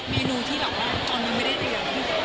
เมนูที่หลังว่างจอนมือไม่ได้เรียน